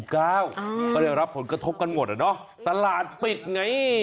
ก็ได้รับผลกระทบกันหมดอะเนาะตลาดปิดไง